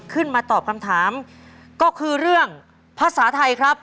ขึ้นมาตอบคำถามก็คือเรื่องภาษาไทยครับ